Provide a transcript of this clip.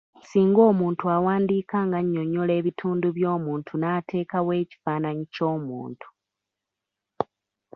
Singa omuntu awandiika ng’annyonnyola ebitundu by’omuntu n’ateekawo ekifaananyi ky’omuntu.